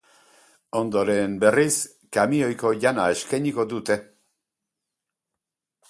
Ondoren berriz, kamioiko jana eskainiko dute.